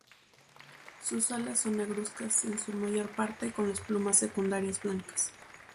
Sus alas son negruzcas en su mayor parte con las plumas secundarias blancas.